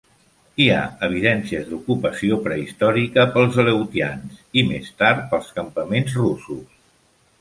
Hi ha evidències d'ocupació prehistòrica pels aleutians i més tard pels campaments russos.